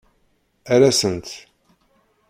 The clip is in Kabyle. Err-asent.